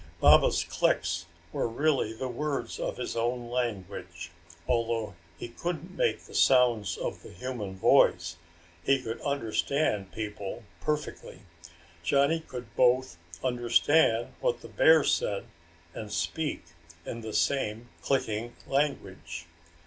Baba's clicks were really the words of his own language. Although he couldn't make the sounds of the human voice, he could understand people perfectly. Johnny could both understand what the bear said and speak in the same clicking language.